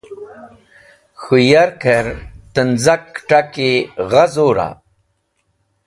K̃hũ yark hẽr tenz̃etk kẽt̃aki gha zura?